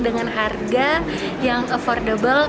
dengan harga yang affordable